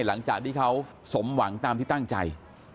หลังจากที่เขาสมหวังตามที่ตั้งใจ